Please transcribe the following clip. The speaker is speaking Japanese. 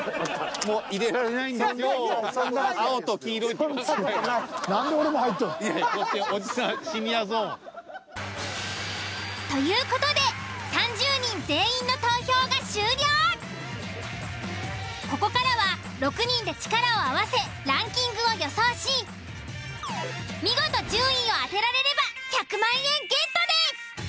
いやいやこっちおじさんシニアゾーン。という事でここからは６人で力を合わせランキングを予想し見事順位を当てられれば１００万円ゲットです。